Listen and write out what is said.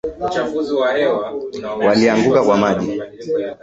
Walianguka kwa maji.